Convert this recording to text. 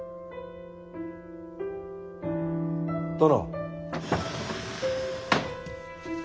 ・殿。